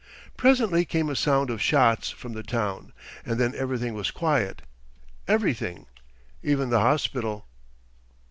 Presently came a sound of shots from the town, and then everything was quiet, everything, even the hospital.